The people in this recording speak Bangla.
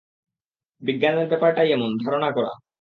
বিজ্ঞানের ব্যাপারটাই এমন, ধারণা করা।